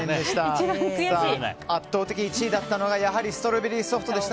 圧倒的に１位だったのがやはりストロベリーソフトでした。